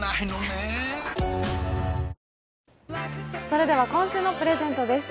それでは今週のプレゼントです。